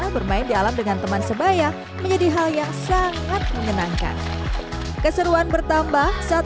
bermain di alam dengan teman sebaya menjadi hal yang sangat menyenangkan keseruan bertambah saat